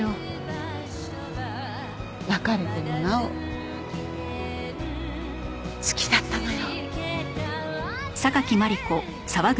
別れてもなお好きだったのよ。